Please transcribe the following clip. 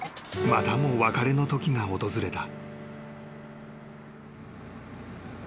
［またも別れのときが訪れた］